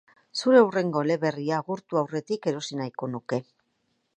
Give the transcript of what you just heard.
Zure hurrengo eleberria agortu aurretik erosi nahiko nuke.